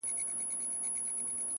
• غوټۍ زمولیږي شبنم پر ژاړي ,